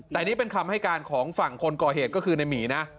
แต่นี่เป็นคำให้การของฝั่งคนก่อเหตุก็คือในหมีนะ